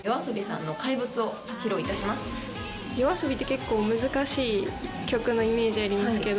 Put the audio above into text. ＹＯＡＳＯＢＩって結構難しい曲のイメージありますけど。